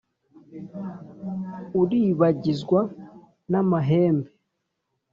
Uribagizwa n' amahembe;